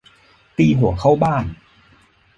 ตีหัวเข้าบ้าน